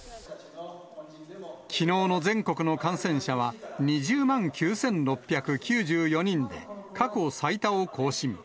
きのうの全国の感染者は２０万９６９４人で、過去最多を更新。